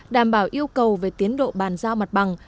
đảm bảo yêu cầu về tiến độ bàn giao mặt bằng